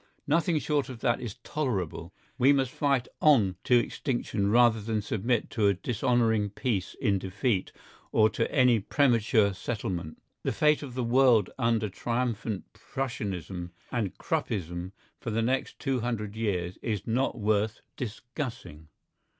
Nothing short of that is tolerable; we must fight on to extinction rather than submit to a dishonouring peace in defeat or to any premature settlement. The fate of the world under triumphant Prussianism and Kruppism for the next two hundred years is not worth discussing.